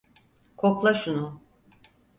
Kokla şunu.